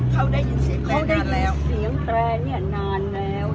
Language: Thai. เขาได้ยินเสียงแตรงนานแล้วเขาได้ยินเสียงแตรงเนี้ยนานแล้ว